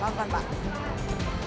bangun bangun bangun